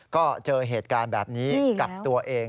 ก็เจอเหตุการณ์แบบนี้กับตัวเอง